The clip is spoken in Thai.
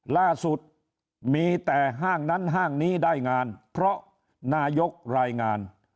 ล่าสุดมีแต่ห้างนั้นห้างนี้ได้งานเพราะนายกรายงาน